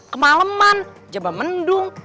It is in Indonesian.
kemaleman jemba mendung